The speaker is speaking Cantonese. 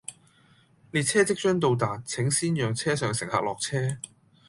列車即將到達，請先讓車上乘客落車